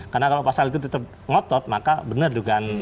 karena kalau pasal itu tetap ngotot maka benar bukan